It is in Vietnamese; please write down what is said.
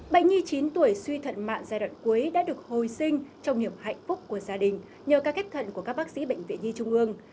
bệnh nhi chín tuổi suy thận mạng giai đoạn cuối đã được hồi sinh trong niềm hạnh phúc của gia đình nhờ ca ghép thận của các bác sĩ bệnh viện nhi trung ương